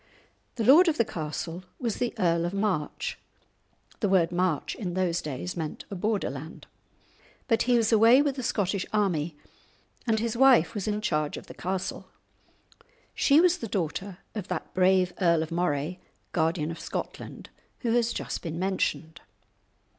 The lord of the castle was the Earl of March (the word March in those days meant a border land), but he was away with the Scottish army, and his wife was in charge of the castle. She was the daughter of that brave Earl of Moray, Guardian of Scotland, who has just been mentioned.